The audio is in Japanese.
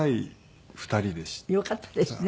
よかったですね